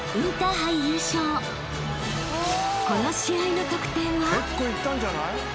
［この試合の得点は］